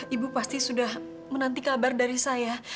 ibu pasti sudah menanti kabar dari saya